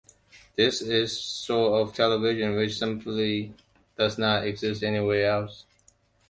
This is the sort of television which simply does not exist anywhere else.